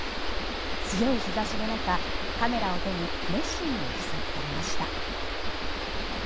強い日差しの中カメラを手に熱心に視察されました。